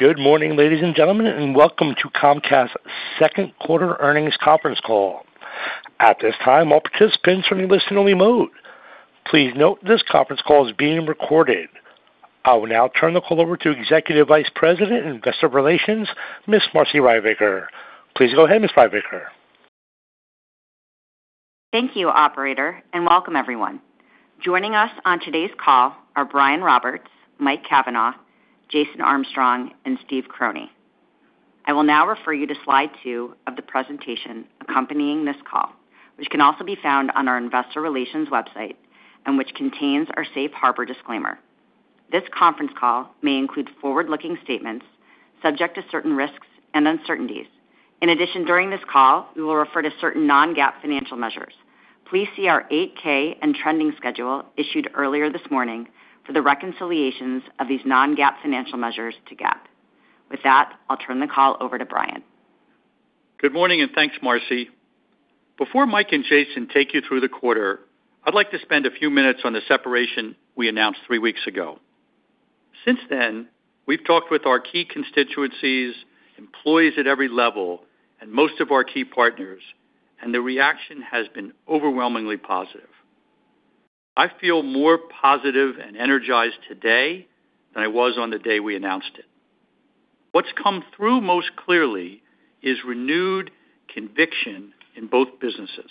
Good morning, ladies and gentlemen, and welcome to Comcast's second quarter earnings conference call. At this time, all participants are in listen-only mode. Please note this conference call is being recorded. I will now turn the call over to Executive Vice President of Investor Relations, Ms. Marci Ryvicker. Please go ahead, Ms. Ryvicker. Thank you, operator, and welcome everyone. Joining us on today's call are Brian Roberts, Mike Cavanagh, Jason Armstrong, and Steve Croney. I will now refer you to slide two of the presentation accompanying this call, which can also be found on our investor relations website and which contains our safe harbor disclaimer. This conference call may include forward-looking statements subject to certain risks and uncertainties. In addition, during this call, we will refer to certain non-GAAP financial measures. Please see our 8-K and trending schedule issued earlier this morning for the reconciliations of these non-GAAP financial measures to GAAP. With that, I'll turn the call over to Brian. Good morning and thanks, Marci. Before Mike and Jason take you through the quarter, I'd like to spend a few minutes on the separation we announced three weeks ago. Since then, we've talked with our key constituencies, employees at every level, and most of our key partners, and the reaction has been overwhelmingly positive. I feel more positive and energized today than I was on the day we announced it. What's come through most clearly is renewed conviction in both businesses.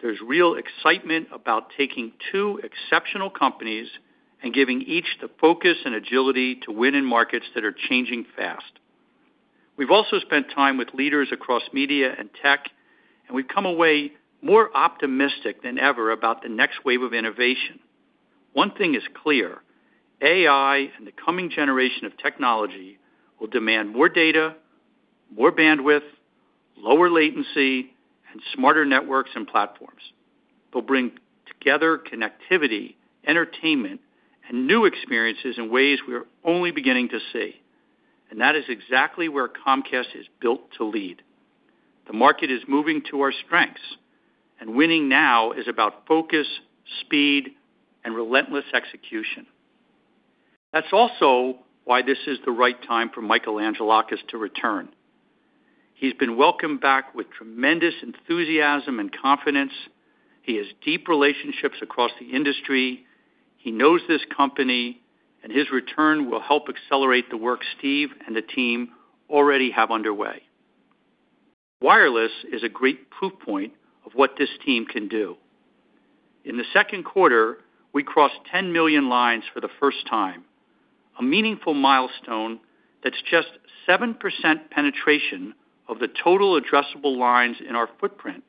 There's real excitement about taking two exceptional companies and giving each the focus and agility to win in markets that are changing fast. We've also spent time with leaders across media and tech, and we've come away more optimistic than ever about the next wave of innovation. One thing is clear: AI and the coming generation of technology will demand more data, more bandwidth, lower latency, and smarter networks and platforms. They'll bring together connectivity, entertainment, and new experiences in ways we are only beginning to see. And that is exactly where Comcast is built to lead. The market is moving to our strengths, and winning now is about focus, speed, and relentless execution. That's also why this is the right time for Michael Angelakis to return. He's been welcomed back with tremendous enthusiasm and confidence. He has deep relationships across the industry. He knows this company, and his return will help accelerate the work Steve and the team already have underway. Wireless is a great proof point of what this team can do. In the second quarter, we crossed 10 million lines for the first time, a meaningful milestone that's just 7% penetration of the total addressable lines in our footprint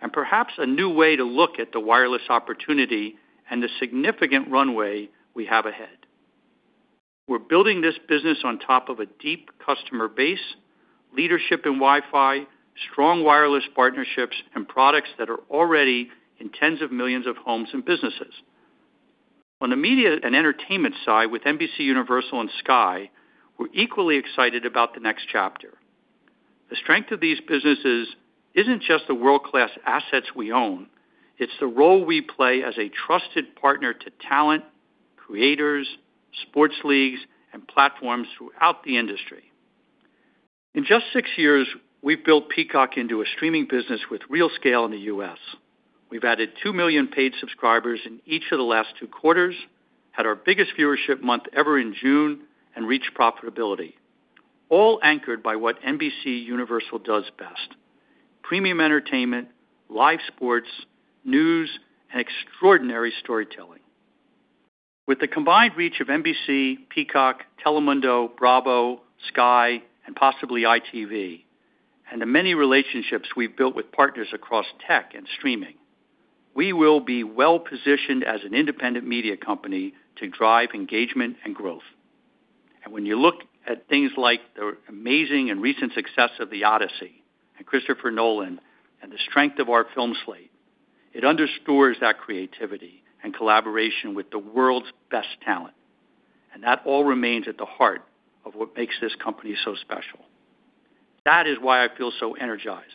and perhaps a new way to look at the wireless opportunity and the significant runway we have ahead. We're building this business on top of a deep customer base, leadership in Wi-Fi, strong wireless partnerships, and products that are already in tens of millions of homes and businesses. On the media and entertainment side with NBCUniversal and Sky, we're equally excited about the next chapter. The strength of these businesses isn't just the world-class assets we own, it's the role we play as a trusted partner to talent, creators, sports leagues, and platforms throughout the industry. In just six years, we've built Peacock into a streaming business with real scale in the U.S. We've added 2 million paid subscribers in each of the last two quarters, had our biggest viewership month ever in June, and reached profitability, all anchored by what NBCUniversal does best: premium entertainment, live sports, news, and extraordinary storytelling. With the combined reach of NBC, Peacock, Telemundo, Bravo, Sky, and possibly ITV, and the many relationships we've built with partners across tech and streaming, we will be well-positioned as an independent media company to drive engagement and growth. When you look at things like the amazing and recent success of "The Odyssey" and Christopher Nolan and the strength of our film slate, it underscores that creativity and collaboration with the world's best talent. That all remains at the heart of what makes this company so special. That is why I feel so energized.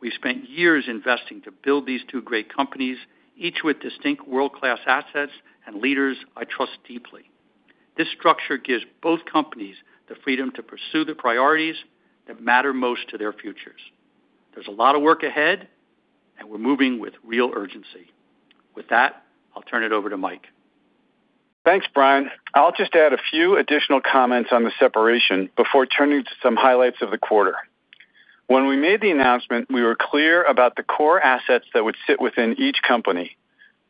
We've spent years investing to build these two great companies, each with distinct world-class assets and leaders I trust deeply. This structure gives both companies the freedom to pursue the priorities that matter most to their futures. There's a lot of work ahead and we're moving with real urgency. With that, I'll turn it over to Mike. Thanks, Brian. I'll just add a few additional comments on the separation before turning to some highlights of the quarter. When we made the announcement, we were clear about the core assets that would sit within each company.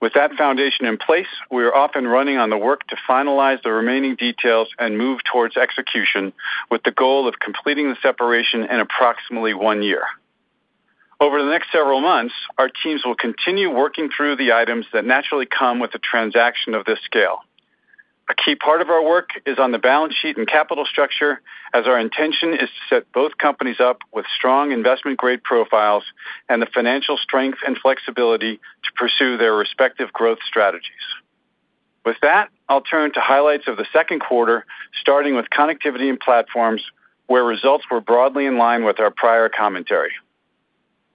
With that foundation in place, we are off and running on the work to finalize the remaining details and move towards execution with the goal of completing the separation in approximately one year. Over the next several months, our teams will continue working through the items that naturally come with a transaction of this scale. A key part of our work is on the balance sheet and capital structure, as our intention is to set both companies up with strong investment-grade profiles and the financial strength and flexibility to pursue their respective growth strategies. With that, I'll turn to highlights of the second quarter, starting with Connectivity & Platforms, where results were broadly in line with our prior commentary.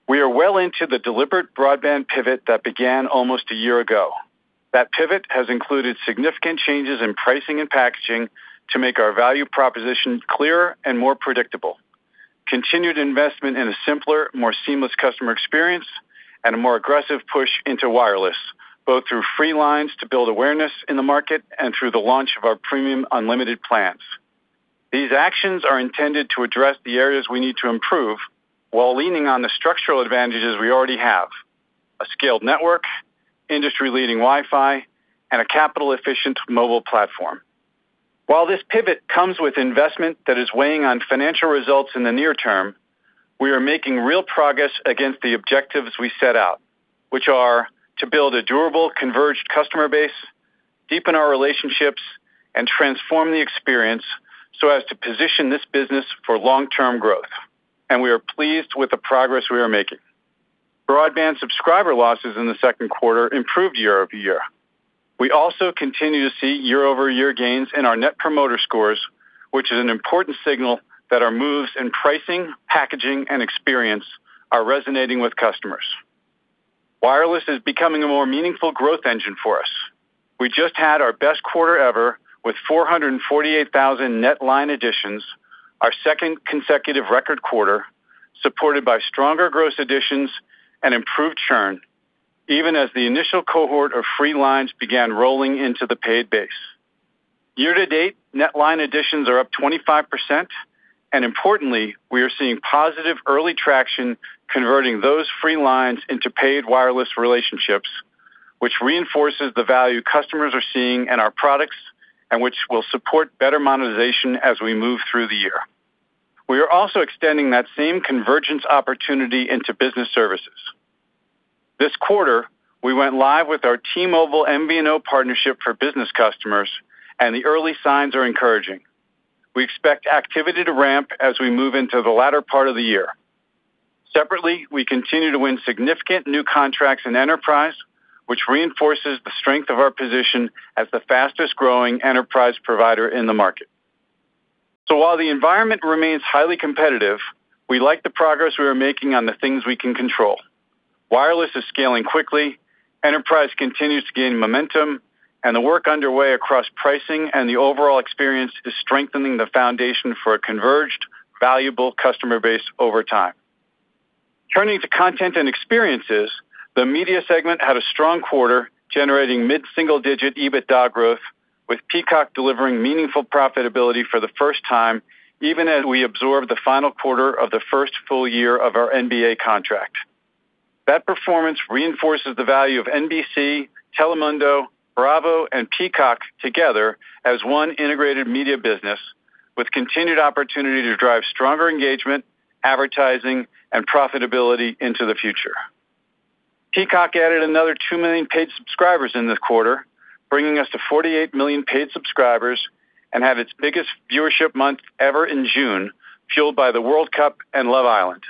We are well into the deliberate broadband pivot that began almost a year ago. That pivot has included significant changes in pricing and packaging to make our value proposition clearer and more predictable, continued investment in a simpler, more seamless customer experience, and a more aggressive push into wireless, both through free lines to build awareness in the market and through the launch of our premium unlimited plans. These actions are intended to address the areas we need to improve while leaning on the structural advantages we already have: a scaled network, industry-leading Wi-Fi, and a capital-efficient mobile platform. While this pivot comes with investment that is weighing on financial results in the near term, we are making real progress against the objectives we set out, which are to build a durable, converged customer base, deepen our relationships, and transform the experience so as to position this business for long-term growth, and we are pleased with the progress we are making. Broadband subscriber losses in the second quarter improved year-over-year. We also continue to see year-over-year gains in our Net Promoter Scores, which is an important signal that our moves in pricing, packaging, and experience are resonating with customers. Wireless is becoming a more meaningful growth engine for us. We just had our best quarter ever with 448,000 net line additions, our second consecutive record quarter, supported by stronger gross additions and improved churn, even as the initial cohort of free lines began rolling into the paid base. Year to date, net line additions are up 25%, and importantly, we are seeing positive early traction converting those free lines into paid wireless relationships, which reinforces the value customers are seeing in our products and which will support better monetization as we move through the year. We are also extending that same convergence opportunity into business services. This quarter, we went live with our T-Mobile MVNO partnership for business customers, and the early signs are encouraging. We expect activity to ramp as we move into the latter part of the year. Separately, we continue to win significant new contracts in enterprise, which reinforces the strength of our position as the fastest-growing enterprise provider in the market. While the environment remains highly competitive, we like the progress we are making on the things we can control. Wireless is scaling quickly, enterprise continues to gain momentum, and the work underway across pricing and the overall experience is strengthening the foundation for a converged, valuable customer base over time. Turning to Content & Experiences, the media segment had a strong quarter, generating mid-single-digit EBITDA growth, with Peacock delivering meaningful profitability for the first time, even as we absorb the final quarter of the first full year of our NBA contract. That performance reinforces the value of NBC, Telemundo, Bravo, and Peacock together as one integrated media business with continued opportunity to drive stronger engagement, advertising, and profitability into the future. Peacock added another 2 million paid subscribers in this quarter, bringing us to 48 million paid subscribers and had its biggest viewership month ever in June, fueled by the World Cup and "Love Island."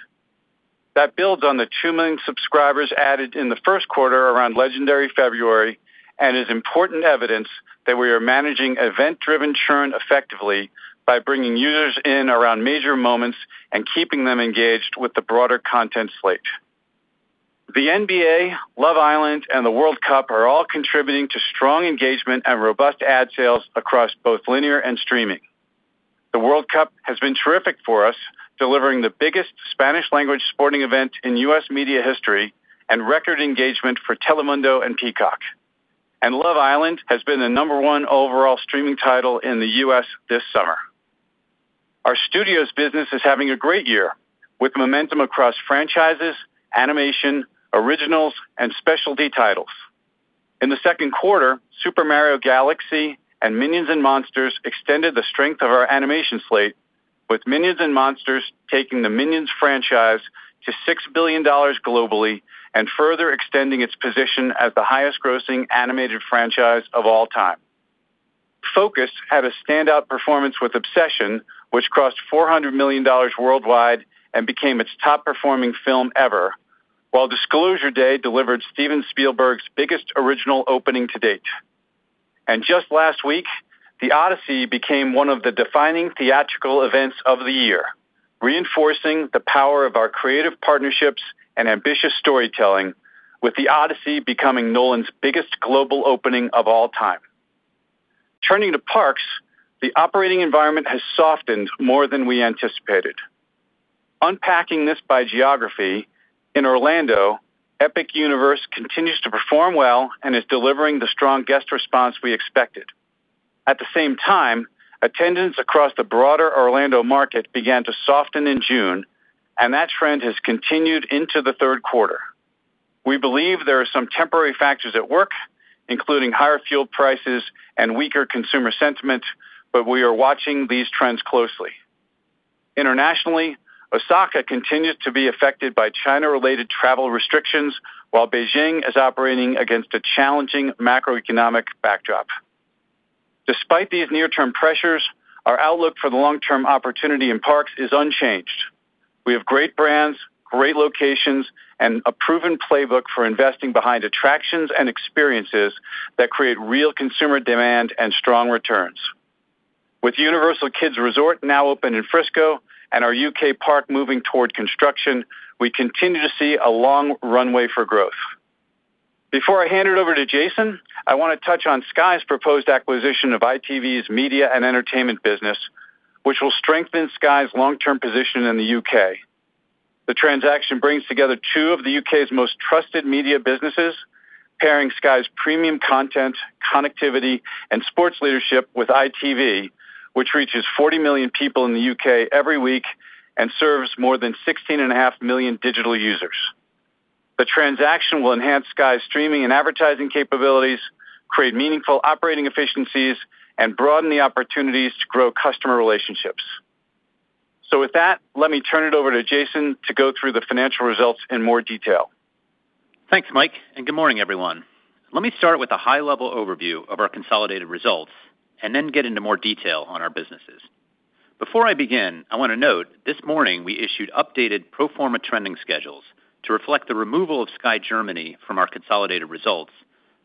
That builds on the 2 million subscribers added in the first quarter around Legendary February and is important evidence that we are managing event-driven churn effectively by bringing users in around major moments and keeping them engaged with the broader content slate. The NBA, "Love Island," and the World Cup are all contributing to strong engagement and robust ad sales across both linear and streaming. The World Cup has been terrific for us, delivering the biggest Spanish-language sporting event in U.S. media history and record engagement for Telemundo and Peacock. "Love Island" has been the number one overall streaming title in the U.S. this summer. Our studios business is having a great year with momentum across franchises, animation, originals, and specialty titles. In the second quarter, "Super Mario Galaxy" and "Minions & Monsters" extended the strength of our animation slate, with "Minions & Monsters" taking the Minions franchise to $6 billion globally and further extending its position as the highest-grossing animated franchise of all time. Focus had a standout performance with "Obsession," which crossed $400 million worldwide and became its top-performing film ever, while "Disclosure Day" delivered Steven Spielberg's biggest original opening to date. Just last week, "The Odyssey" became one of the defining theatrical events of the year, reinforcing the power of our creative partnerships and ambitious storytelling, with "The Odyssey" becoming Nolan's biggest global opening of all time. Turning to parks, the operating environment has softened more than we anticipated. Unpacking this by geography, in Orlando, Epic Universe continues to perform well and is delivering the strong guest response we expected. At the same time, attendance across the broader Orlando market began to soften in June, and that trend has continued into the third quarter. We believe there are some temporary factors at work, including higher fuel prices and weaker consumer sentiment, but we are watching these trends closely. Internationally, Osaka continues to be affected by China-related travel restrictions, while Beijing is operating against a challenging macroeconomic backdrop. Despite these near-term pressures, our outlook for the long-term opportunity in parks is unchanged. We have great brands, great locations, and a proven playbook for investing behind attractions and experiences that create real consumer demand and strong returns. With Universal Kids Resort now open in Frisco and our U.K. park moving toward construction, we continue to see a long runway for growth. Before I hand it over to Jason, I want to touch on Sky's proposed acquisition of ITV's media and entertainment business, which will strengthen Sky's long-term position in the U.K. The transaction brings together two of the U.K.'s most trusted media businesses, pairing Sky's premium content, connectivity, and sports leadership with ITV, which reaches 40 million people in the U.K. every week and serves more than 16.5 million digital users. The transaction will enhance Sky's streaming and advertising capabilities, create meaningful operating efficiencies, and broaden the opportunities to grow customer relationships. With that, let me turn it over to Jason to go through the financial results in more detail. Thanks, Mike, good morning, everyone. Let me start with a high-level overview of our consolidated results and then get into more detail on our businesses. Before I begin, I want to note this morning we issued updated pro forma trending schedules to reflect the removal of Sky Germany from our consolidated results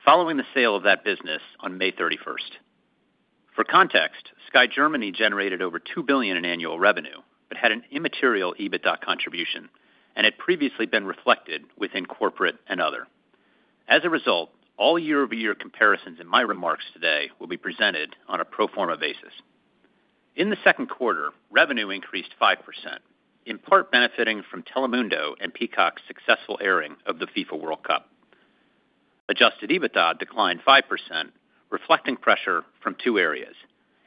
following the sale of that business on May 31st. For context, Sky Germany generated over $2 billion in annual revenue but had an immaterial EBITDA contribution and had previously been reflected within corporate and other. As a result, all year-over-year comparisons in my remarks today will be presented on a pro forma basis. In the second quarter, revenue increased 5%, in part benefiting from Telemundo and Peacock's successful airing of the FIFA World Cup. Adjusted EBITDA declined 5%, reflecting pressure from two areas.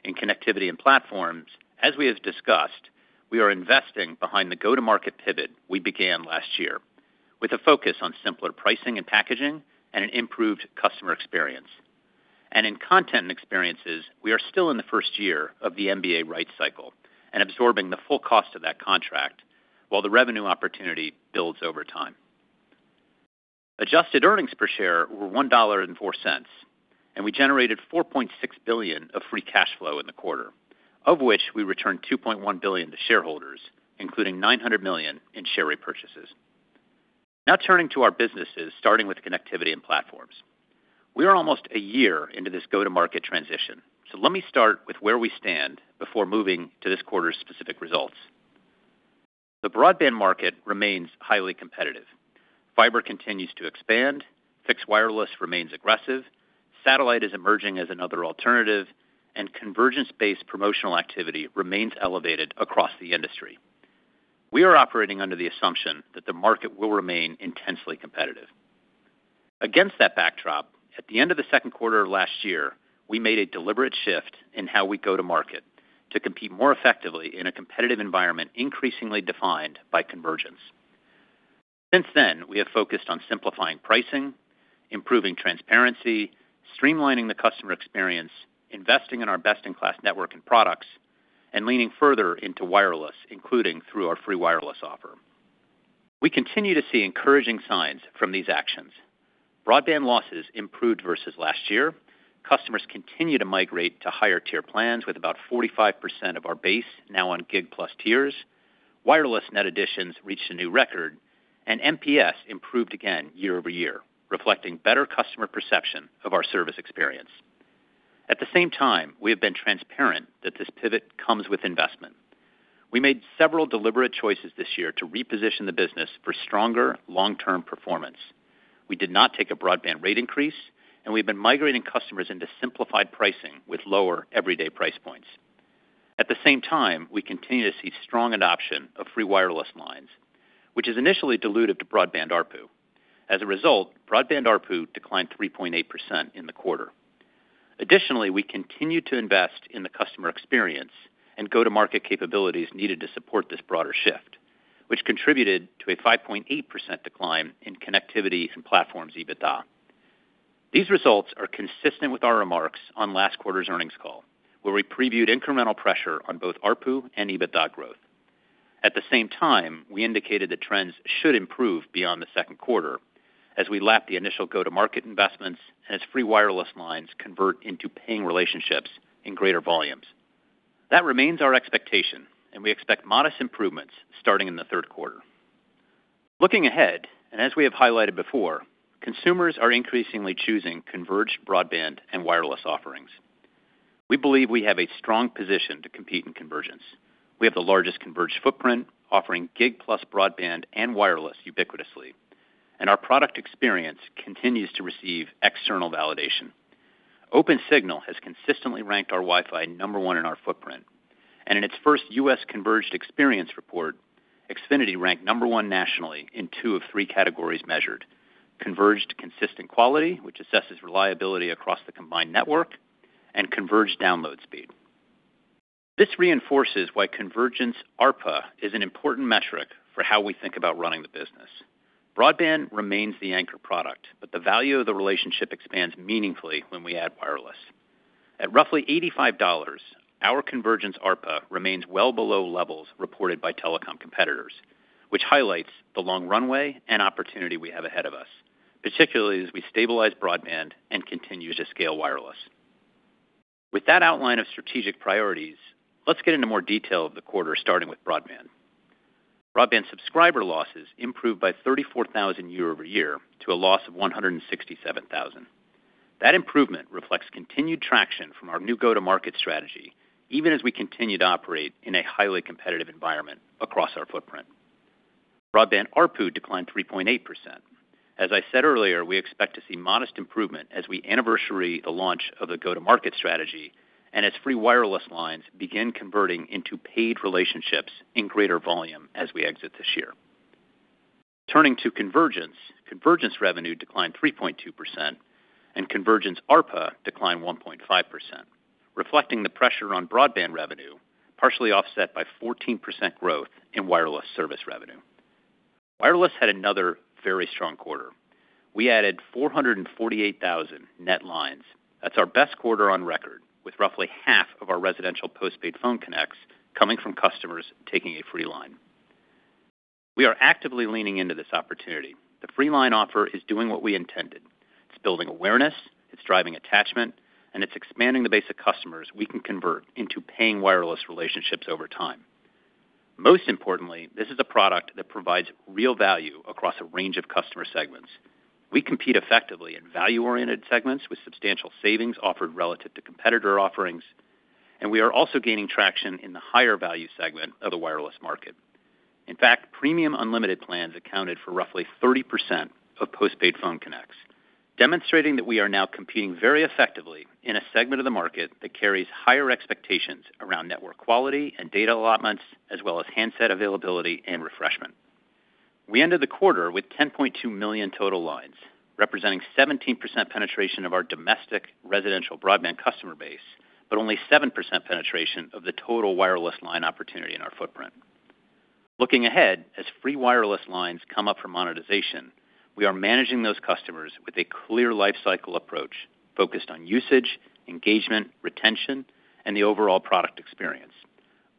In Connectivity & Platforms, as we have discussed, we are investing behind the go-to-market pivot we began last year with a focus on simpler pricing and packaging and an improved customer experience. In Content & Experiences, we are still in the first year of the NBA rights cycle and absorbing the full cost of that contract while the revenue opportunity builds over time. Adjusted earnings per share were $1.04, and we generated $4.6 billion of free cash flow in the quarter, of which we returned $2.1 billion to shareholders, including $900 million in share repurchases. Turning to our businesses, starting with Connectivity & Platforms. We are almost a year into this go-to-market transition, let me start with where we stand before moving to this quarter's specific results. The broadband market remains highly competitive. Fiber continues to expand, fixed wireless remains aggressive, satellite is emerging as another alternative, and convergence-based promotional activity remains elevated across the industry. We are operating under the assumption that the market will remain intensely competitive. Against that backdrop, at the end of the second quarter of last year, we made a deliberate shift in how we go to market to compete more effectively in a competitive environment increasingly defined by convergence. Since then, we have focused on simplifying pricing, improving transparency, streamlining the customer experience, investing in our best-in-class network and products, and leaning further into wireless, including through our free wireless offer. We continue to see encouraging signs from these actions. Broadband losses improved versus last year. Customers continue to migrate to higher-tier plans with about 45% of our base now on gig plus tiers. Wireless net additions reached a new record, and NPS improved again year over year, reflecting better customer perception of our service experience. At the same time, we have been transparent that this pivot comes with investment. We made several deliberate choices this year to reposition the business for stronger long-term performance. We did not take a broadband rate increase, and we've been migrating customers into simplified pricing with lower everyday price points. At the same time, we continue to see strong adoption of free wireless lines, which is initially dilutive to broadband ARPU. As a result, broadband ARPU declined 3.8% in the quarter. Additionally, we continue to invest in the customer experience and go-to-market capabilities needed to support this broader shift, which contributed to a 5.8% decline in Connectivity & Platforms EBITDA. These results are consistent with our remarks on last quarter's earnings call, where we previewed incremental pressure on both ARPU and EBITDA growth. At the same time, we indicated that trends should improve beyond the second quarter as we lap the initial go-to-market investments as free wireless lines convert into paying relationships in greater volumes. That remains our expectation, and we expect modest improvements starting in the third quarter. Looking ahead, as we have highlighted before, consumers are increasingly choosing converged broadband and wireless offerings. We believe we have a strong position to compete in convergence. We have the largest converged footprint, offering gig plus broadband and wireless ubiquitously, our product experience continues to receive external validation. Opensignal has consistently ranked our Wi-Fi number one in our footprint, in its first U.S. converged experience report, Xfinity ranked number one nationally in two of three categories measured: converged consistent quality, which assesses reliability across the combined network, converged download speed. This reinforces why convergence ARPA is an important metric for how we think about running the business. Broadband remains the anchor product, the value of the relationship expands meaningfully when we add wireless. At roughly $85, our convergence ARPA remains well below levels reported by telecom competitors, which highlights the long runway and opportunity we have ahead of us, particularly as we stabilize broadband and continue to scale wireless. With that outline of strategic priorities, let's get into more detail of the quarter, starting with broadband. Broadband subscriber losses improved by 34,000 year-over-year to a loss of 167,000. That improvement reflects continued traction from our new go-to-market strategy, even as we continue to operate in a highly competitive environment across our footprint. Broadband ARPU declined 3.8%. As I said earlier, we expect to see modest improvement as we anniversary the launch of the go-to-market strategy as free wireless lines begin converting into paid relationships in greater volume as we exit this year. Turning to convergence revenue declined 3.2%, convergence ARPA declined 1.5%, reflecting the pressure on broadband revenue, partially offset by 14% growth in wireless service revenue. Wireless had another very strong quarter. We added 448,000 net lines. That's our best quarter on record, with roughly half of our residential postpaid phone connects coming from customers taking a free line. We are actively leaning into this opportunity. The free line offer is doing what we intended. It's building awareness, it's driving attachment, it's expanding the base of customers we can convert into paying wireless relationships over time. Most importantly, this is a product that provides real value across a range of customer segments. We compete effectively in value-oriented segments with substantial savings offered relative to competitor offerings, we are also gaining traction in the higher value segment of the wireless market. In fact, premium unlimited plans accounted for roughly 30% of postpaid phone connects, demonstrating that we are now competing very effectively in a segment of the market that carries higher expectations around network quality and data allotments, as well as handset availability and refreshment. We ended the quarter with 10.2 million total lines, representing 17% penetration of our domestic residential broadband customer base, only 7% penetration of the total wireless line opportunity in our footprint. Looking ahead, as free wireless lines come up for monetization, we are managing those customers with a clear life cycle approach focused on usage, engagement, retention, and the overall product experience.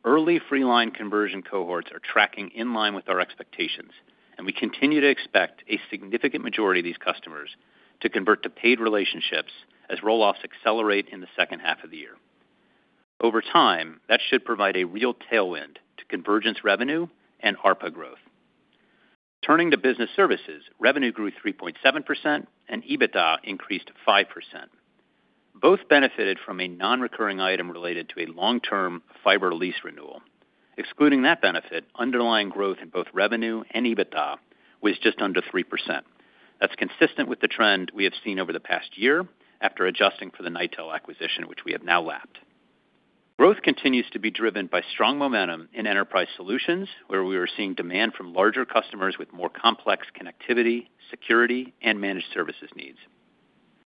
Early free line conversion cohorts are tracking in line with our expectations, and we continue to expect a significant majority of these customers to convert to paid relationships as roll-offs accelerate in the second half of the year. Over time, that should provide a real tailwind to convergence revenue and ARPA growth. Turning to business services, revenue grew 3.7%, and EBITDA increased 5%. Both benefited from a non-recurring item related to a long-term fiber lease renewal. Excluding that benefit, underlying growth in both revenue and EBITDA was just under 3%. That's consistent with the trend we have seen over the past year after adjusting for the Nitel acquisition, which we have now lapped. Growth continues to be driven by strong momentum in enterprise solutions, where we are seeing demand from larger customers with more complex connectivity, security, and managed services needs.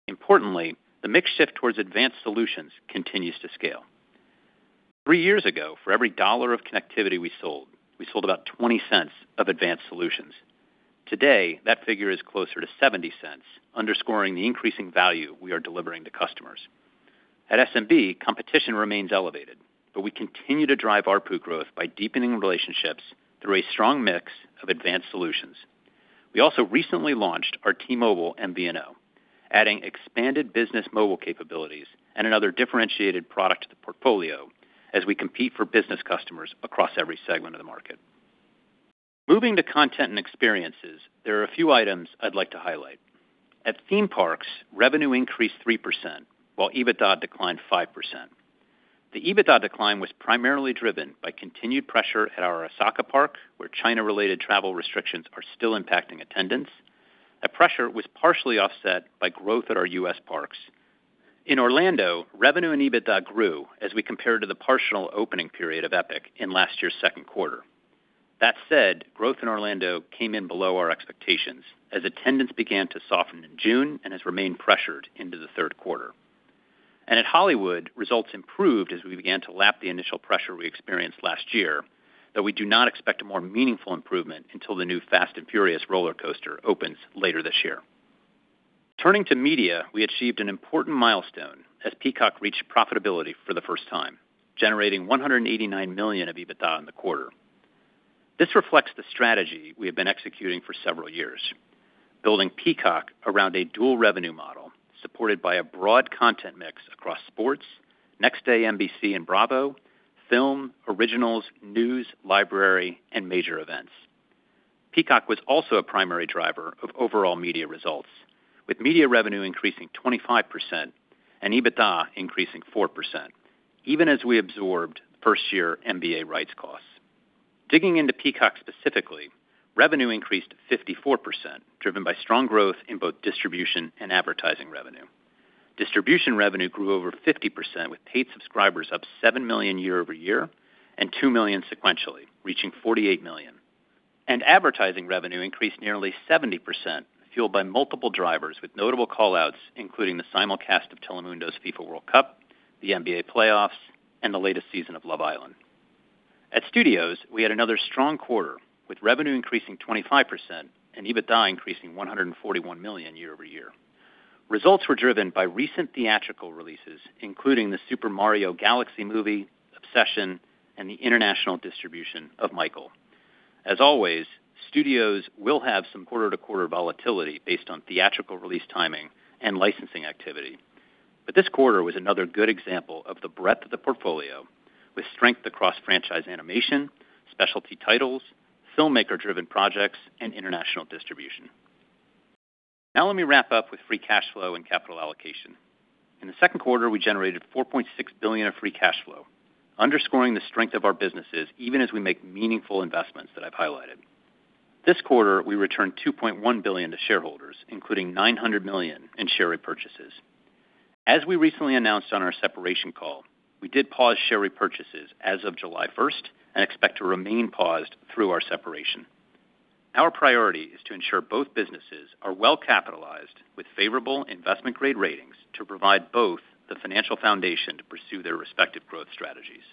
Importantly, the mix shift towards advanced solutions continues to scale. Three years ago, for every dollar of connectivity we sold, we sold about $0.20 of advanced solutions. Today, that figure is closer to $0.70, underscoring the increasing value we are delivering to customers. At SMB, competition remains elevated, but we continue to drive ARPU growth by deepening relationships through a strong mix of advanced solutions. We also recently launched our T-Mobile MVNO, adding expanded business mobile capabilities and another differentiated product to the portfolio as we compete for business customers across every segment of the market. Moving to Content & Experiences, there are a few items I'd like to highlight. At theme parks, revenue increased 3%, while EBITDA declined 5%. The EBITDA decline was primarily driven by continued pressure at our Osaka park, where China-related travel restrictions are still impacting attendance. That pressure was partially offset by growth at our U.S. parks. In Orlando, revenue and EBITDA grew as we compared to the partial opening period of Epic in last year's second quarter. That said, growth in Orlando came in below our expectations as attendance began to soften in June and has remained pressured into the third quarter. At Hollywood, results improved as we began to lap the initial pressure we experienced last year, though we do not expect a more meaningful improvement until the new Fast & Furious rollercoaster opens later this year. Turning to media, we achieved an important milestone as Peacock reached profitability for the first time, generating $189 million of EBITDA in the quarter. This reflects the strategy we have been executing for several years, building Peacock around a dual revenue model supported by a broad content mix across sports, next-day NBC and Bravo, film, originals, news, library, and major events. Peacock was also a primary driver of overall media results, with media revenue increasing 25% and EBITDA increasing 4%, even as we absorbed first-year NBA rights costs. Digging into Peacock specifically, revenue increased 54%, driven by strong growth in both distribution and advertising revenue. Distribution revenue grew over 50%, with paid subscribers up 7 million year-over-year and 2 million sequentially, reaching 48 million. Advertising revenue increased nearly 70%, fueled by multiple drivers with notable call-outs, including the simulcast of Telemundo's FIFA World Cup, the NBA playoffs, and the latest season of "Love Island." At Studios, we had another strong quarter, with revenue increasing 25% and EBITDA increasing $141 million year-over-year. Results were driven by recent theatrical releases, including the "Super Mario Galaxy" Movie, "Obsession," and the international distribution of "Michael." As always, Studios will have some quarter-to-quarter volatility based on theatrical release timing and licensing activity. This quarter was another good example of the breadth of the portfolio with strength across franchise animation, specialty titles, filmmaker-driven projects, and international distribution. Now let me wrap up with free cash flow and capital allocation. In the second quarter, we generated $4.6 billion of free cash flow, underscoring the strength of our businesses, even as we make meaningful investments that I've highlighted. This quarter, we returned $2.1 billion to shareholders, including $900 million in share repurchases. As we recently announced on our separation call, we did pause share repurchases as of July 1st and expect to remain paused through our separation. Our priority is to ensure both businesses are well-capitalized with favorable investment-grade ratings to provide both the financial foundation to pursue their respective growth strategies.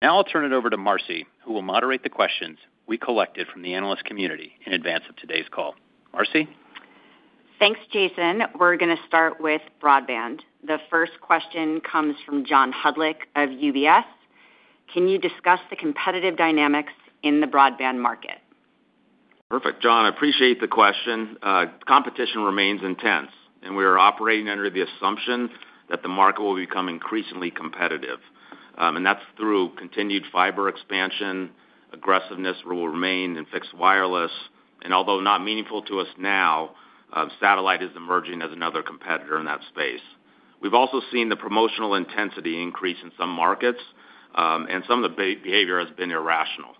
Now I'll turn it over to Marci, who will moderate the questions we collected from the analyst community in advance of today's call. Marci? Thanks, Jason. We're going to start with broadband. The first question comes from John Hodulik of UBS. Can you discuss the competitive dynamics in the broadband market? Perfect, John. I appreciate the question. Competition remains intense. We are operating under the assumption that the market will become increasingly competitive. That's through continued fiber expansion. Aggressiveness will remain in fixed wireless, and although not meaningful to us now, satellite is emerging as another competitor in that space. We've also seen the promotional intensity increase in some markets, and some of the behavior has been irrational.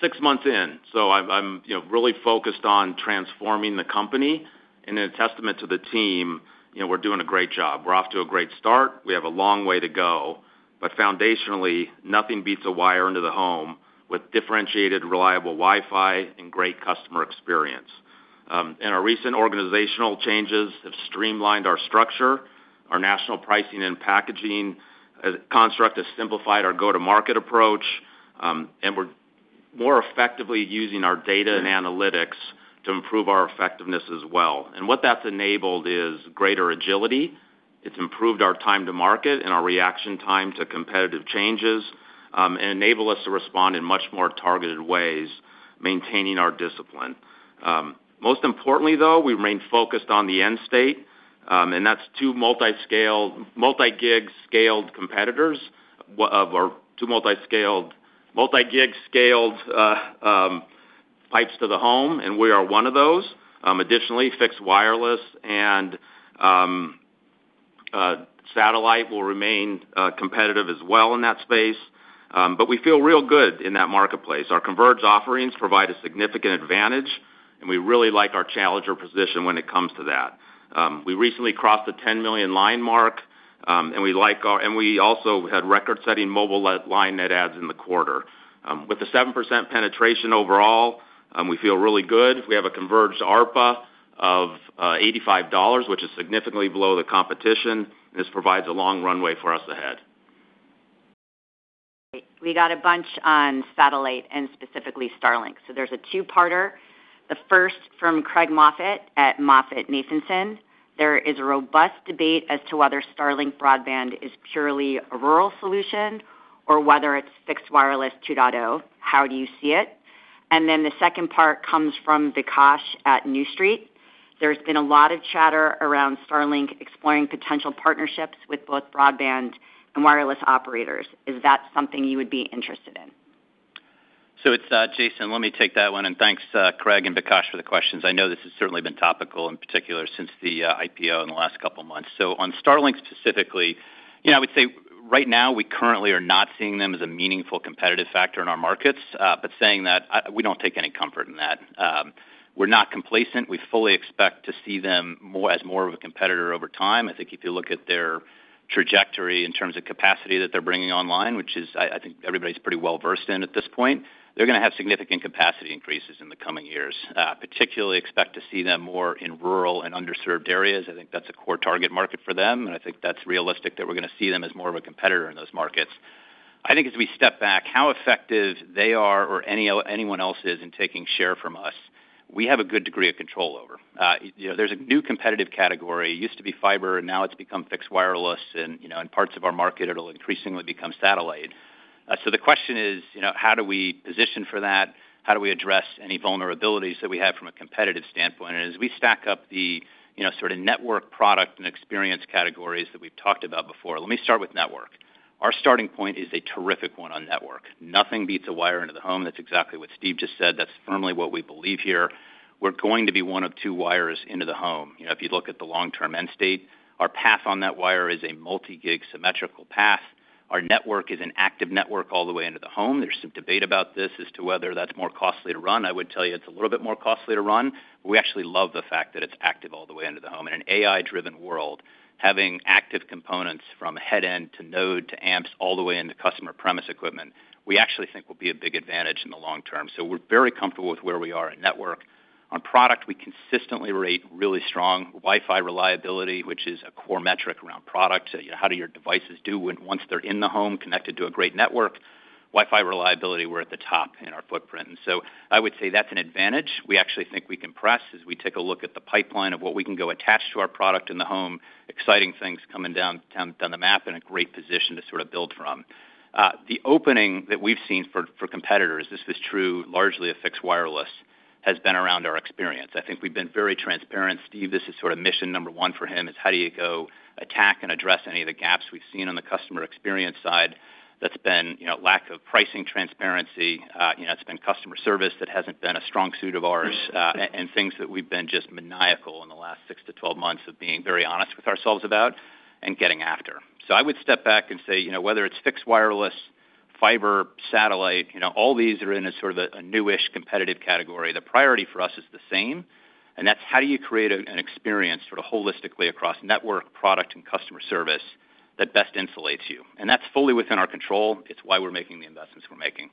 Six months in, so I'm really focused on transforming the company and a testament to the team. We're doing a great job. We're off to a great start. We have a long way to go, but foundationally, nothing beats a wire into the home with differentiated, reliable Wi-Fi and great customer experience. Our recent organizational changes have streamlined our structure. Our national pricing and packaging construct has simplified our go-to-market approach. We're more effectively using our data and analytics to improve our effectiveness as well. What that's enabled is greater agility. It's improved our time to market and our reaction time to competitive changes, and enabled us to respond in much more targeted ways, maintaining our discipline. Most importantly, though, we remain focused on the end state, and that's two multi-gig scaled competitors or two multi-gig scaled pipes to the home, and we are one of those. Additionally, fixed wireless and satellite will remain competitive as well in that space. We feel real good in that marketplace. Our converged offerings provide a significant advantage, and we really like our challenger position when it comes to that. We recently crossed the 10 million line mark. We also had record-setting mobile line net adds in the quarter. With the 7% penetration overall, we feel really good. We have a converged ARPA of $85, which is significantly below the competition. This provides a long runway for us ahead. We got a bunch on satellite and specifically Starlink. There's a two-parter. The first from Craig Moffett at MoffettNathanson. There is a robust debate as to whether Starlink broadband is purely a rural solution or whether it's fixed wireless 2.0. How do you see it? The second part comes from Vikash at New Street. There's been a lot of chatter around Starlink exploring potential partnerships with both broadband and wireless operators. Is that something you would be interested in? It's Jason. Let me take that one. Thanks, Craig and Vikash, for the questions. I know this has certainly been topical in particular since the IPO in the last couple of months. On Starlink specifically, I would say right now we currently are not seeing them as a meaningful competitive factor in our markets. Saying that, we don't take any comfort in that. We're not complacent. We fully expect to see them as more of a competitor over time. I think if you look at their trajectory in terms of capacity that they're bringing online, which I think everybody's pretty well versed in at this point, they're going to have significant capacity increases in the coming years. Particularly expect to see them more in rural and underserved areas. I think that's a core target market for them, and I think that's realistic that we're going to see them as more of a competitor in those markets. I think as we step back, how effective they are or anyone else is in taking share from us, we have a good degree of control over. There's a new competitive category. It used to be fiber, and now it's become fixed wireless, and in parts of our market, it'll increasingly become satellite. The question is, how do we position for that? How do we address any vulnerabilities that we have from a competitive standpoint? As we stack up the network product and experience categories that we've talked about before, let me start with network. Our starting point is a terrific one on network. Nothing beats a wire into the home. That's exactly what Steve just said. That's firmly what we believe here. We're going to be one of two wires into the home. If you look at the long-term end state, our path on that wire is a multi-gig symmetrical path. Our network is an active network all the way into the home. There's some debate about this as to whether that's more costly to run. I would tell you it's a little bit more costly to run. We actually love the fact that it's active all the way into the home. In an AI-driven world, having active components from head end to node to amps all the way into customer premise equipment, we actually think will be a big advantage in the long term. We're very comfortable with where we are in network. On product, we consistently rate really strong Wi-Fi reliability, which is a core metric around product. How do your devices do once they're in the home connected to a great network? Wi-Fi reliability, we're at the top in our footprint. I would say that's an advantage. We actually think we can press as we take a look at the pipeline of what we can go attach to our product in the home. Exciting things coming down the map and a great position to build from. The opening that we've seen for competitors, this is true largely of fixed wireless, has been around our experience. I think we've been very transparent. Steve, this is sort of mission number one for him is how do you go attack and address any of the gaps we've seen on the customer experience side that's been lack of pricing transparency, it's been customer service that hasn't been a strong suit of ours, and things that we've been just maniacal in the last 6-12 months of being very honest with ourselves about and getting after. I would step back and say, whether it's fixed wireless, fiber, satellite, all these are in a sort of a newish competitive category. The priority for us is the same, and that's how you create an experience sort of holistically across network, product, and customer service that best insulates you. That's fully within our control. It's why we're making the investments we're making.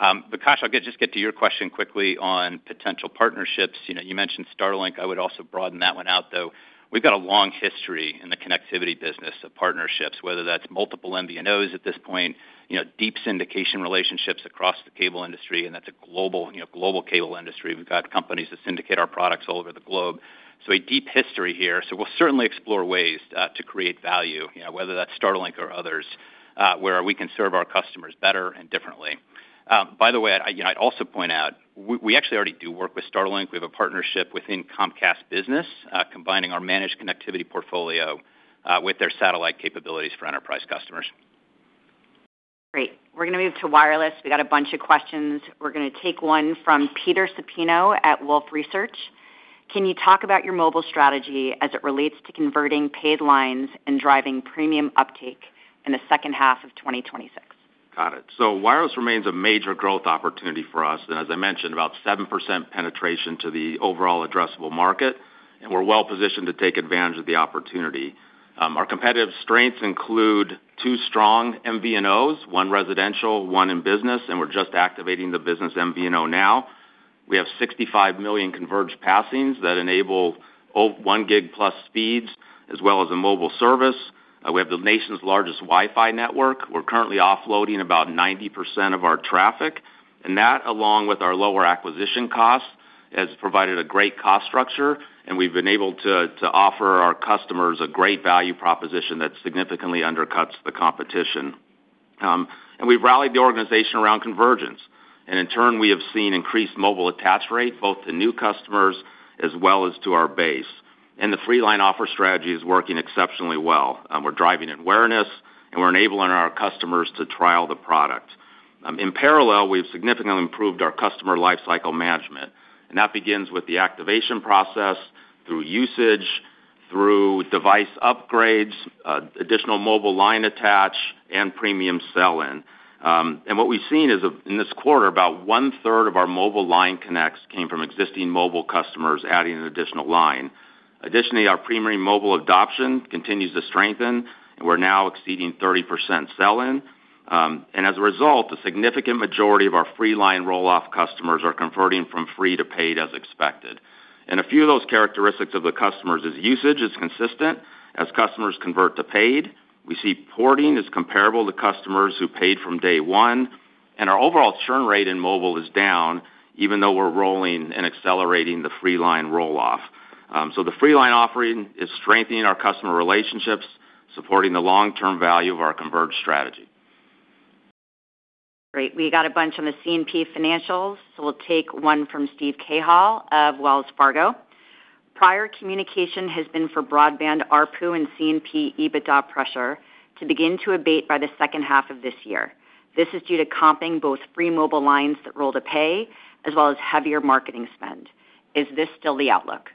Vikash, I'll just get to your question quickly on potential partnerships. You mentioned Starlink. I would also broaden that one out, though. We've got a long history in the connectivity business of partnerships, whether that's multiple MVNOs at this point, deep syndication relationships across the cable industry, and that's a global cable industry. We've got companies that syndicate our products all over the globe. A deep history here. We'll certainly explore ways to create value, whether that's Starlink or others, where we can serve our customers better and differently. By the way, I'd also point out, we actually already do work with Starlink. We have a partnership within Comcast Business, combining our managed connectivity portfolio with their satellite capabilities for enterprise customers. Great. We're going to move to wireless. We got a bunch of questions. We're going to take one from Peter Supino at Wolfe Research. Can you talk about your mobile strategy as it relates to converting paid lines and driving premium uptake in the second half of 2026? Got it. Wireless remains a major growth opportunity for us. As I mentioned, about 7% penetration to the overall addressable market, and we're well-positioned to take advantage of the opportunity. Our competitive strengths include two strong MVNOs, one residential, one in business, and we're just activating the business MVNO now. We have 65 million converged passings that enable one gig-plus speeds, as well as a mobile service. We have the nation's largest Wi-Fi network. We're currently offloading about 90% of our traffic, and that, along with our lower acquisition costs, has provided a great cost structure, and we've been able to offer our customers a great value proposition that significantly undercuts the competition. We've rallied the organization around convergence. In turn, we have seen increased mobile attach rate, both to new customers as well as to our base. The free line offer strategy is working exceptionally well. We're driving awareness, and we're enabling our customers to trial the product. In parallel, we've significantly improved our customer lifecycle management, and that begins with the activation process, through usage, through device upgrades, additional mobile line attach, and premium sell-in. What we've seen is in this quarter, about one-third of our mobile line connects came from existing mobile customers adding an additional line. Additionally, our premium mobile adoption continues to strengthen, and we're now exceeding 30% sell-in. As a result, a significant majority of our free line roll-off customers are converting from free to paid as expected. A few of those characteristics of the customers is usage is consistent as customers convert to paid. We see porting is comparable to customers who paid from day one. Our overall churn rate in mobile is down, even though we're rolling and accelerating the free line roll-off. The free line offering is strengthening our customer relationships, supporting the long-term value of our converged strategy. Great. We got a bunch on the C&P financials, we'll take one from Steve Cahall of Wells Fargo. Prior communication has been for broadband ARPU and C&P EBITDA pressure to begin to abate by the second half of this year. This is due to comping both free mobile lines that roll to pay, as well as heavier marketing spend. Is this still the outlook?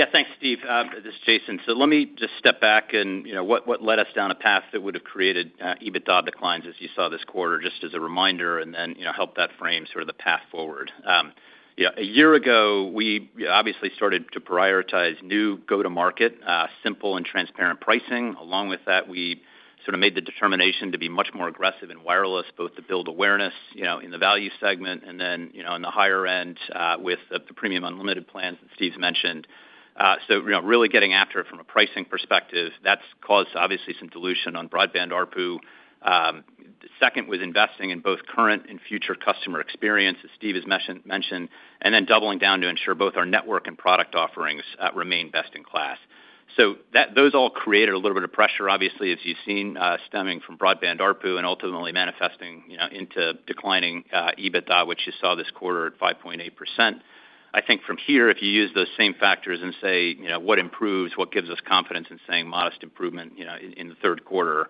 Yeah, thanks, Steve. This is Jason. Let me just step back and what led us down a path that would have created EBITDA declines as you saw this quarter, just as a reminder, and then help that frame sort of the path forward. A year ago, we obviously started to prioritize new go-to-market, simple and transparent pricing. Along with that, we sort of made the determination to be much more aggressive in wireless, both to build awareness in the value segment and then in the higher end with the premium unlimited plans that Steve's mentioned. Really getting after it from a pricing perspective, that's caused obviously some dilution on broadband ARPU. Second was investing in both current and future customer experience, as Steve has mentioned, and then doubling down to ensure both our network and product offerings remain best in class. Those all created a little bit of pressure, obviously, as you've seen, stemming from broadband ARPU and ultimately manifesting into declining EBITDA, which you saw this quarter at 5.8%. I think from here, if you use those same factors and say what improves, what gives us confidence in saying modest improvement in the third quarter,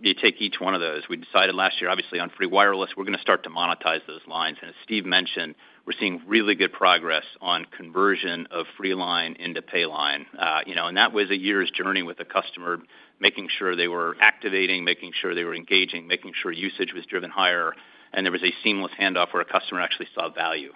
you take each one of those. We decided last year, obviously, on free wireless, we're going to start to monetize those lines. As Steve mentioned, we're seeing really good progress on conversion of free line into pay line. That was a year's journey with the customer, making sure they were activating, making sure they were engaging, making sure usage was driven higher, and there was a seamless handoff where a customer actually saw value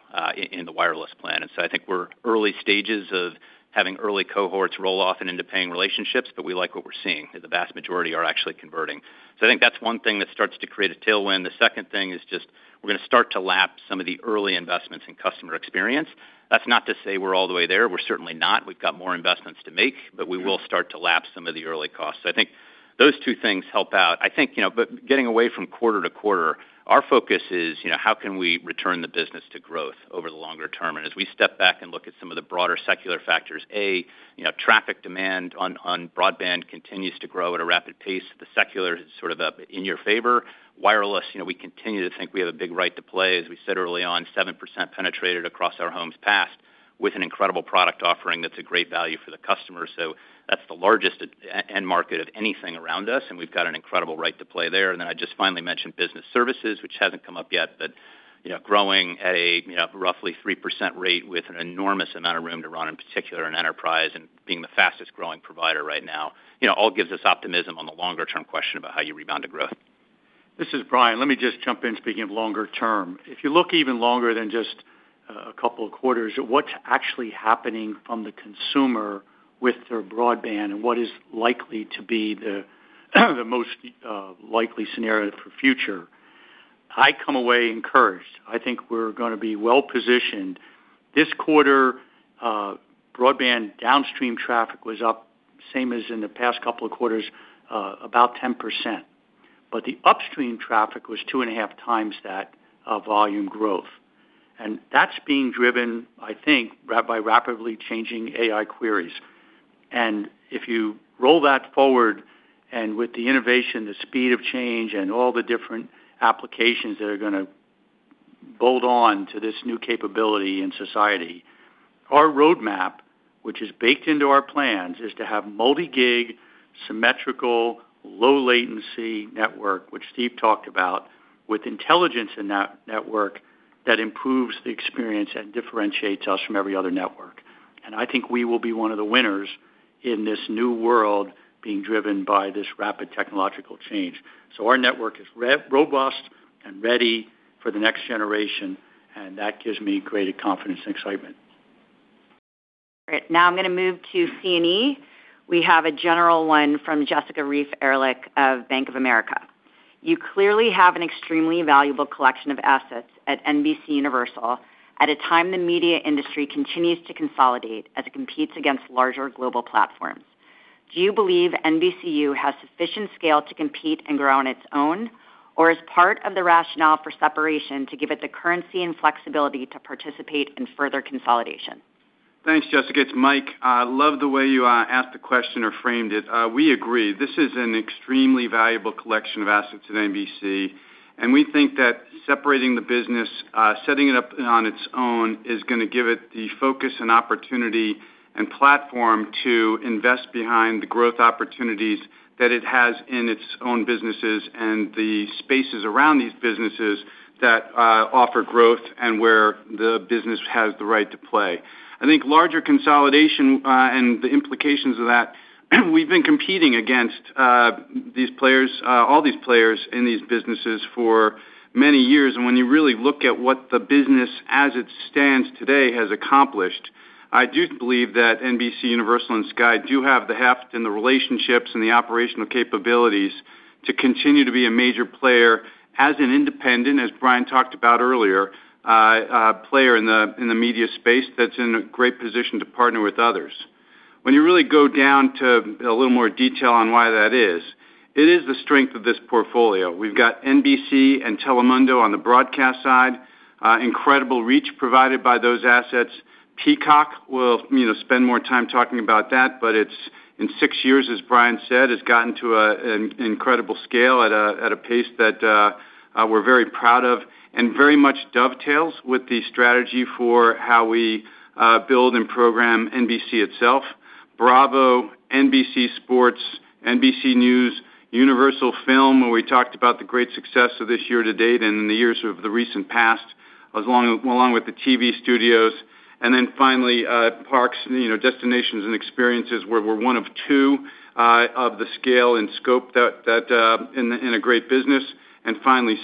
in the wireless plan. I think we're early stages of having early cohorts roll off and into paying relationships, but we like what we're seeing. The vast majority are actually converting. I think that's one thing that starts to create a tailwind. The second thing is just we're going to start to lap some of the early investments in customer experience. That's not to say we're all the way there. We're certainly not. We've got more investments to make, but we will start to lap some of the early costs. I think those two things help out. I think, getting away from quarter to quarter, our focus is how can we return the business to growth over the longer term? As we step back and look at some of the broader secular factors, A, traffic demand on broadband continues to grow at a rapid pace. The secular is sort of in your favor. Wireless, we continue to think we have a big right to play, as we said early on, 7% penetrated across our homes passed with an incredible product offering that's a great value for the customer. That's the largest end market of anything around us, and we've got an incredible right to play there. I just finally mentioned business services, which hasn't come up yet, but growing at a roughly 3% rate with an enormous amount of room to run, in particular in enterprise and being the fastest-growing provider right now. All gives us optimism on the longer-term question about how you rebound to growth. This is Brian. Let me just jump in, speaking of longer term. If you look even longer than just a couple of quarters, what's actually happening from the consumer with their broadband and what is likely to be the most likely scenario for future, I come away encouraged. I think we're going to be well-positioned. This quarter, broadband downstream traffic was up, same as in the past couple of quarters, about 10%. The upstream traffic was two and a half times that volume growth. That's being driven, I think, by rapidly changing AI queries. If you roll that forward and with the innovation, the speed of change, and all the different applications that are going to bolt on to this new capability in society, our roadmap, which is baked into our plans, is to have multi-gig, symmetrical, low latency network, which Steve talked about, with intelligence in that network that improves the experience and differentiates us from every other network. I think we will be one of the winners in this new world being driven by this rapid technological change. Our network is robust and ready for the next generation, and that gives me great confidence and excitement. Great. Now I'm going to move to C&E. We have a general one from Jessica Reif Ehrlich of Bank of America. You clearly have an extremely valuable collection of assets at NBCUniversal at a time the media industry continues to consolidate as it competes against larger global platforms. Do you believe NBCUniversal has sufficient scale to compete and grow on its own? Or is part of the rationale for separation to give it the currency and flexibility to participate in further consolidation? Thanks, Jessica. It's Mike. I love the way you asked the question or framed it. We agree, this is an extremely valuable collection of assets at NBC, we think that separating the business, setting it up on its own is going to give it the focus and opportunity and platform to invest behind the growth opportunities that it has in its own businesses and the spaces around these businesses that offer growth and where the business has the right to play. I think larger consolidation and the implications of that, we've been competing against all these players in these businesses for many years. When you really look at what the business as it stands today has accomplished, I do believe that NBCUniversal and Sky do have the heft and the relationships and the operational capabilities to continue to be a major player as an independent, as Brian talked about earlier, player in the media space that's in a great position to partner with others. When you really go down to a little more detail on why that is, it is the strength of this portfolio. We've got NBC and Telemundo on the broadcast side, incredible reach provided by those assets. Peacock, we'll spend more time talking about that, but it's in six years, as Brian said, has gotten to an incredible scale at a pace that we're very proud of and very much dovetails with the strategy for how we build and program NBC itself. Bravo, NBC Sports, NBC News, Universal Film, where we talked about the great success of this year to date and in the years of the recent past, along with the TV studios, and then finally, Parks, destinations and experiences where we're one of two of the scale and scope in a great business, and finally,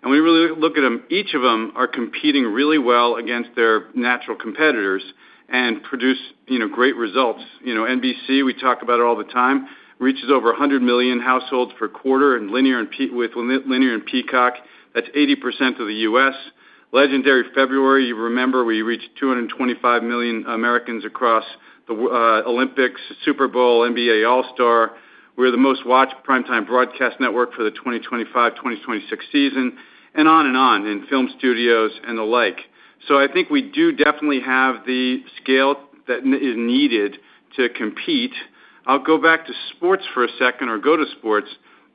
Sky. When you really look at them, each of them are competing really well against their natural competitors and produce great results. NBC, we talk about it all the time, reaches over 100 million households per quarter with linear and Peacock. That's 80% of the U.S. Legendary February, you remember, we reached 225 million Americans across the Olympics, Super Bowl, NBA All-Star. We're the most watched prime time broadcast network for the 2025, 2026 season, and on and on in film studios and the like. I think we do definitely have the scale that is needed to compete. I'll go back to sports for a second, or go to sports.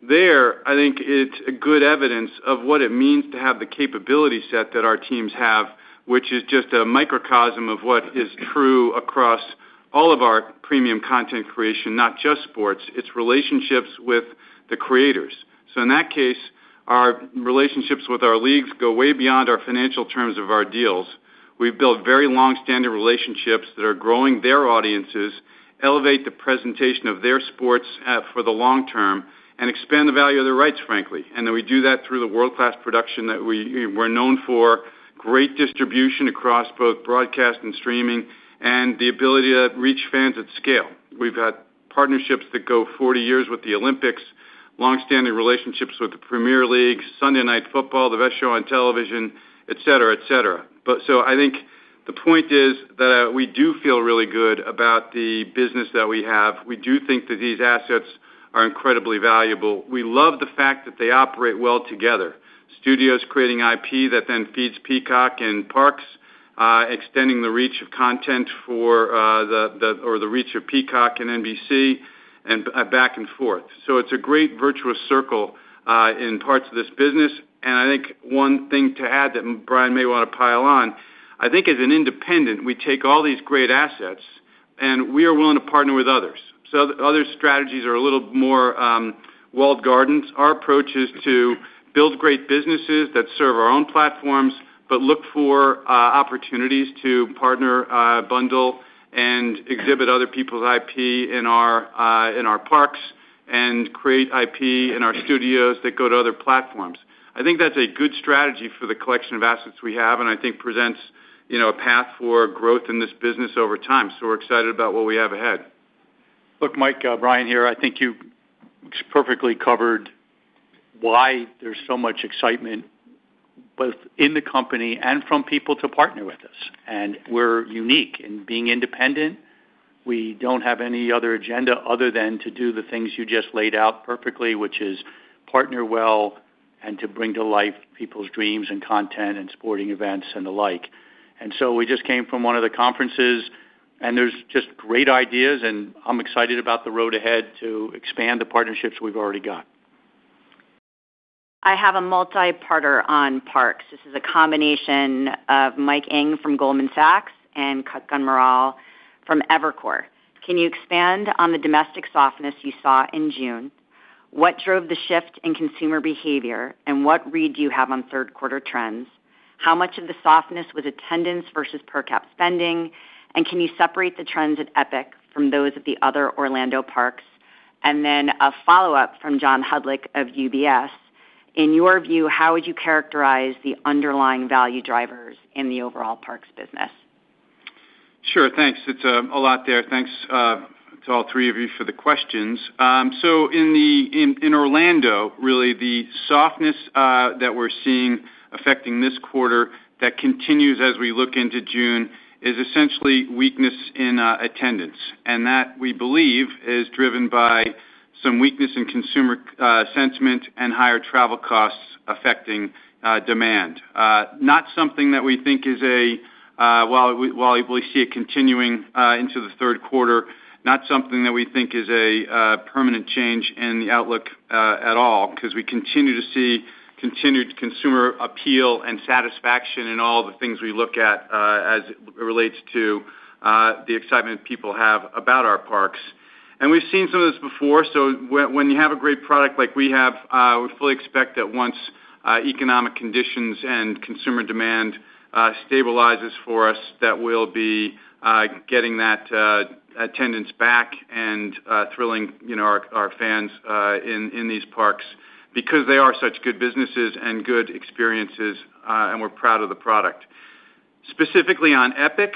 There, I think it's a good evidence of what it means to have the capability set that our teams have, which is just a microcosm of what is true across all of our premium content creation, not just sports. It's relationships with the creators. In that case, our relationships with our leagues go way beyond our financial terms of our deals. We've built very long-standing relationships that are growing their audiences, elevate the presentation of their sports for the long term, and expand the value of their rights, frankly. We do that through the world-class production that we're known for, great distribution across both broadcast and streaming, and the ability to reach fans at scale. We've had partnerships that go 40 years with the Olympics. Long-standing relationships with the Premier League, Sunday Night Football, the best show on television, et cetera. I think the point is that we do feel really good about the business that we have. We do think that these assets are incredibly valuable. We love the fact that they operate well together. Studios creating IP that then feeds Peacock and parks, extending the reach of content or the reach of Peacock and NBC, and back and forth. It's a great virtuous circle in parts of this business. I think one thing to add that Brian may want to pile on, I think as an independent, we take all these great assets and we are willing to partner with others. Other strategies are a little more walled gardens. Our approach is to build great businesses that serve our own platforms, but look for opportunities to partner, bundle, and exhibit other people's IP in our parks and create IP in our studios that go to other platforms. I think that's a good strategy for the collection of assets we have, and I think presents a path for growth in this business over time. We're excited about what we have ahead. Look, Mike, Brian here. I think you perfectly covered why there's so much excitement both in the company and from people to partner with us. We're unique in being independent. We don't have any other agenda other than to do the things you just laid out perfectly, which is partner well and to bring to life people's dreams and content and sporting events and the like. We just came from one of the conferences, and there's just great ideas, and I'm excited about the road ahead to expand the partnerships we've already got. I have a multi-parter on parks. This is a combination of Mike Ng from Goldman Sachs and Kutgun Maral from Evercore. Can you expand on the domestic softness you saw in June? What drove the shift in consumer behavior, and what read do you have on third quarter trends? How much of the softness was attendance versus per cap spending? Can you separate the trends at Epic from those at the other Orlando parks? A follow-up from John Hodulik of UBS. In your view, how would you characterize the underlying value drivers in the overall parks business? Sure, thanks. It's a lot there. Thanks to all three of you for the questions. In Orlando, really, the softness that we're seeing affecting this quarter that continues as we look into June is essentially weakness in attendance. That, we believe, is driven by some weakness in consumer sentiment and higher travel costs affecting demand. While we see it continuing into the third quarter, not something that we think is a permanent change in the outlook at all, because we continue to see continued consumer appeal and satisfaction in all the things we look at as it relates to the excitement people have about our parks. We've seen some of this before, when you have a great product like we have, we fully expect that once economic conditions and consumer demand stabilizes for us, that we'll be getting that attendance back and thrilling our fans in these parks because they are such good businesses and good experiences, and we're proud of the product. Specifically on Epic,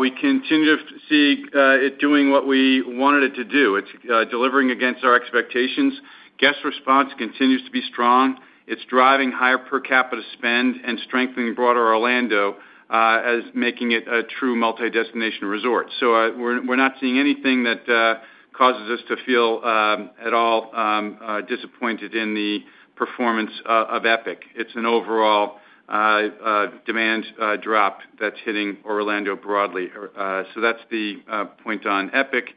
we continue to see it doing what we wanted it to do. It's delivering against our expectations. Guest response continues to be strong. It's driving higher per capita spend and strengthening broader Orlando as making it a true multi-destination resort. We're not seeing anything that causes us to feel at all disappointed in the performance of Epic. It's an overall demand drop that's hitting Orlando broadly. That's the point on Epic.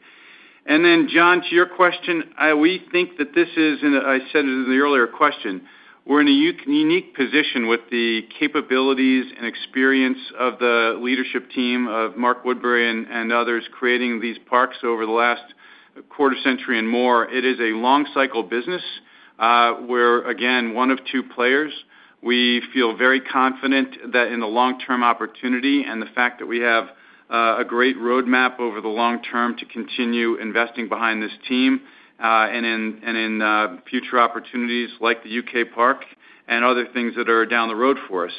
John, to your question, we think that this is, and I said it in the earlier question, we're in a unique position with the capabilities and experience of the leadership team of Mark Woodbury and others creating these parks over the last quarter century and more. It is a long-cycle business. We're, again, one of two players. We feel very confident that in the long-term opportunity and the fact that we have a great roadmap over the long term to continue investing behind this team, and in future opportunities like the U.K. park and other things that are down the road for us.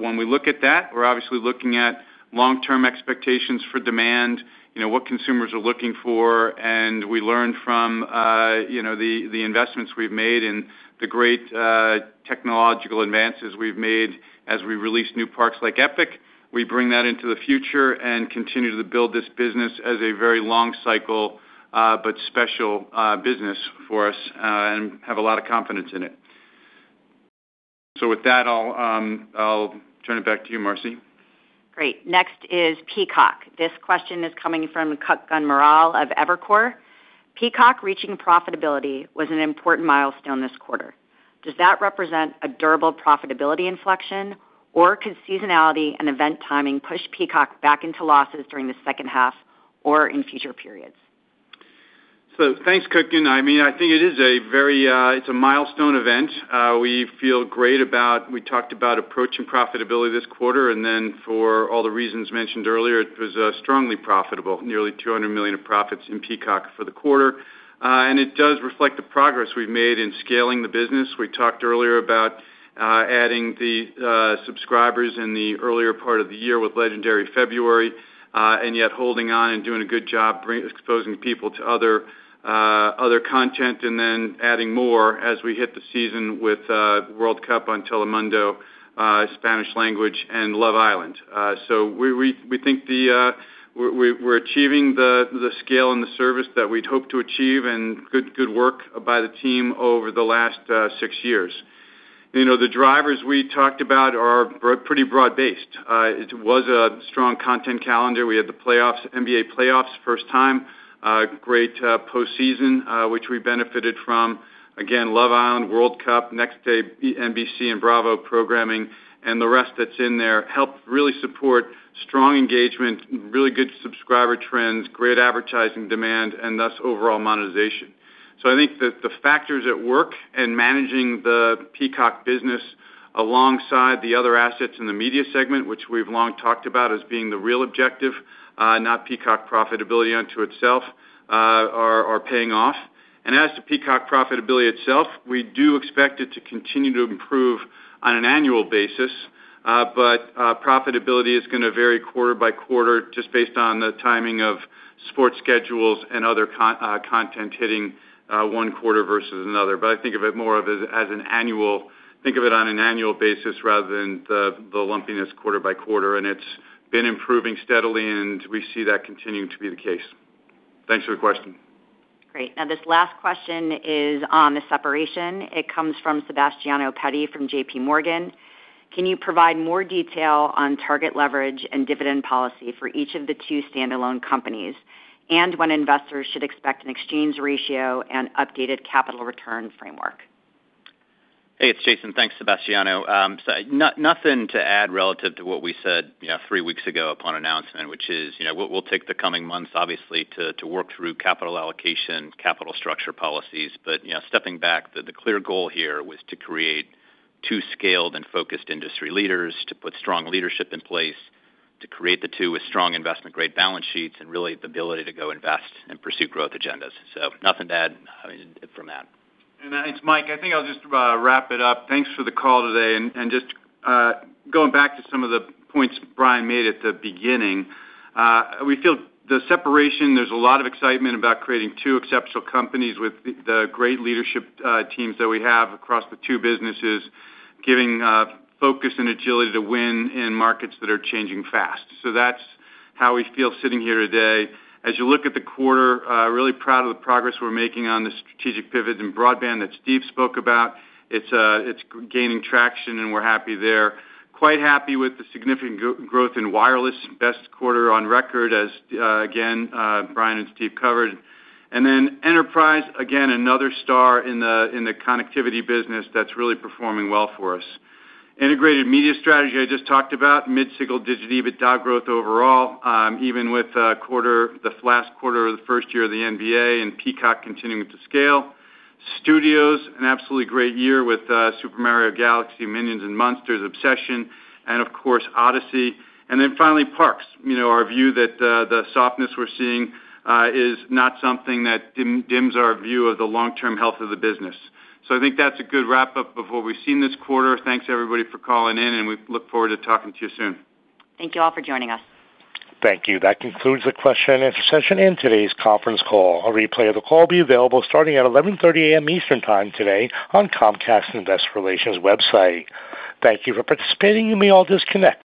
When we look at that, we're obviously looking at long-term expectations for demand, what consumers are looking for, and we learn from the investments we've made and the great technological advances we've made as we release new parks like Epic. We bring that into the future and continue to build this business as a very long cycle, but special business for us, and have a lot of confidence in it. With that, I'll turn it back to you, Marci. Great. Next is Peacock. This question is coming from Kutgun Maral of Evercore. Peacock reaching profitability was an important milestone this quarter. Does that represent a durable profitability inflection, or could seasonality and event timing push Peacock back into losses during the second half or in future periods? Thanks, Kutgun. I think it's a milestone event. We feel great about. We talked about approaching profitability this quarter, and then for all the reasons mentioned earlier, it was strongly profitable, nearly $200 million of profits in Peacock for the quarter. It does reflect the progress we've made in scaling the business. We talked earlier about adding the subscribers in the earlier part of the year with Legendary February, and yet holding on and doing a good job exposing people to other content and then adding more as we hit the season with World Cup on Telemundo, Spanish language, and Love Island. We think we're achieving the scale and the service that we'd hoped to achieve and good work by the team over the last six years. The drivers we talked about are pretty broad-based. It was a strong content calendar. We had the NBA playoffs, first time. Great postseason, which we benefited from. Again, Love Island, World Cup, next-day NBC and Bravo programming, and the rest that's in there helped really support strong engagement, really good subscriber trends, great advertising demand, and thus overall monetization. I think that the factors at work in managing the Peacock business alongside the other assets in the media segment, which we've long talked about as being the real objective, not Peacock profitability unto itself, are paying off. As to Peacock profitability itself, we do expect it to continue to improve on an annual basis, but profitability is going to vary quarter by quarter just based on the timing of sports schedules and other content hitting one quarter versus another. I think of it on an annual basis rather than the lumpiness quarter by quarter, and it's been improving steadily, and we see that continuing to be the case. Thanks for the question. Great. This last question is on the separation. It comes from Sebastiano Petti from J.P. Morgan. Can you provide more detail on target leverage and dividend policy for each of the two standalone companies, and when investors should expect an exchange ratio and updated capital return framework? Hey, it's Jason. Thanks, Sebastiano. Nothing to add relative to what we said three weeks ago upon announcement, which is we'll take the coming months, obviously, to work through capital allocation, capital structure policies. Stepping back, the clear goal here was to create two scaled and focused industry leaders, to put strong leadership in place, to create the two with strong investment-grade balance sheets, and really the ability to go invest and pursue growth agendas. Nothing to add from that. It's Mike. I think I'll just wrap it up. Thanks for the call today. Just going back to some of the points Brian made at the beginning, we feel the separation, there's a lot of excitement about creating two exceptional companies with the great leadership teams that we have across the two businesses, giving focus and agility to win in markets that are changing fast. That's how we feel sitting here today. As you look at the quarter, really proud of the progress we're making on the strategic pivots in broadband that Steve spoke about. It's gaining traction, and we're happy there. Quite happy with the significant growth in wireless. Best quarter on record as, again, Brian and Steve covered. Enterprise, again, another star in the connectivity business that's really performing well for us. Integrated Media Strategy I just talked about. Mid-single-digit EBITDA growth overall, even with the last quarter of the first year of the NBA and Peacock continuing to scale. Studios, an absolutely great year with "Super Mario Galaxy," "Minions & Monsters," "Obsession," and of course, "Odyssey." Finally, Parks. Our view that the softness we're seeing is not something that dims our view of the long-term health of the business. I think that's a good wrap-up of what we've seen this quarter. Thanks, everybody, for calling in, and we look forward to talking to you soon. Thank you all for joining us. Thank you. That concludes the question and answer session and today's conference call. A replay of the call will be available starting at 11:30 A.M. Eastern Time today on Comcast's Investor Relations website. Thank you for participating. You may all disconnect.